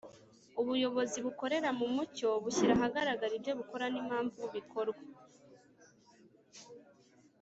Ubuyobozi bukorera mu mucyo bushyira ahagaragara ibyo bukora n'impamvu bikorwa